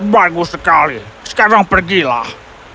bagus sekali sekarang pergilah